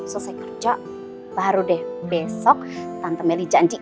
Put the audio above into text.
selesai kerja baru deh besok tante milih janji